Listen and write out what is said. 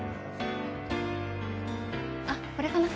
あっ、これかな。